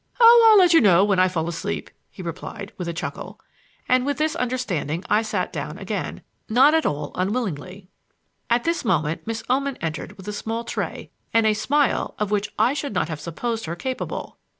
"Oh, I'll let you know when I fall asleep," he replied, with a chuckle; and with this understanding I sat down again not at all unwillingly. At this moment Miss Oman entered with a small tray and a smile of which I should not have supposed her capable.